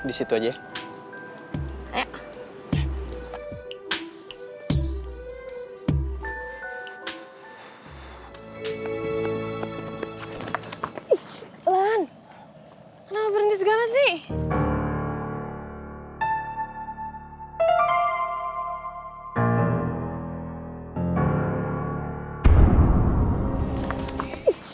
lan kenapa berhenti segala sih